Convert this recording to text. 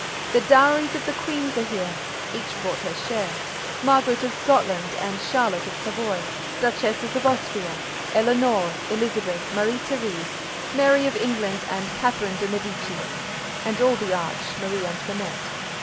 The dowries of the queens are here. Each brought her share: Margaret of Scotland and Charlotte of Savoy; duchesses of Austria: Éléonore, Elisabeth, Marie Thérèse, Mary of England and Catherine de Médicis; and all the arch—Marie Antoinette.